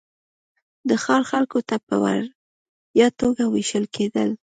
د ښار خلکو ته په وړیا توګه وېشل کېدل.